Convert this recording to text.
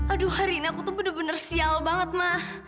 aduh hari ini aku tuh bener bener sial banget mah